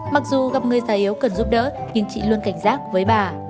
mặc dù gặp người già yếu cần giúp đỡ nhưng chị luôn cảnh giác với bà